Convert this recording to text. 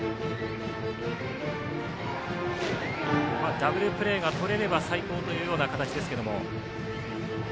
ダブルプレーが取れれば最高というような形ですけども。